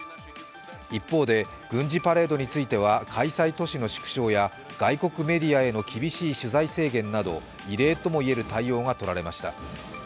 一方で軍事パレードについては開催都市の縮小や外国メディアへの厳しい取材制限など異例とも言える対応がとられました。